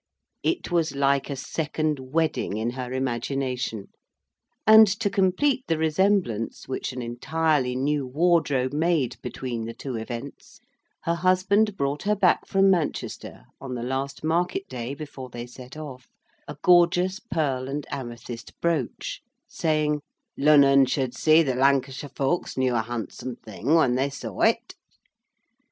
It was like a second wedding in her imagination; and, to complete the resemblance which an entirely new wardrobe made between the two events, her husband brought her back from Manchester, on the last market day before they set off, a gorgeous pearl and amethyst brooch, saying, "Lunnon should see that Lancashire folks knew a handsome thing when they saw it."